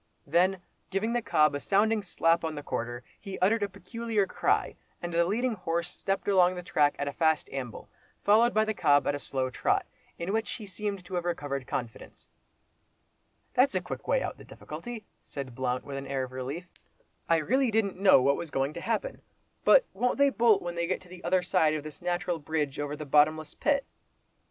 Then giving the cob a sounding slap on the quarter, he uttered a peculiar cry, and the leading horse stepped along the track at a fast amble, followed by the cob at a slow trot, in which he seemed to have recovered confidence. "That's a quick way out of the difficulty," said Blount, with an air of relief. "I really didn't know what was going to happen. But won't they bolt when they get to the other side of this natural bridge over the bottomless pit?"